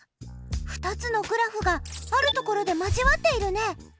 ２つのグラフがあるところで交わっているね。